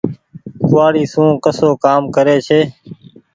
ڪوُوآڙي سون ڪسو ڪآم ڪري ڇي۔